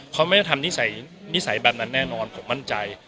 เขาไม่ได้ทำนิสัยแบบนั้นแน่นอนผมมั่นใจ